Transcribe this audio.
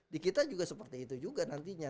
di kita juga seperti itu juga nantinya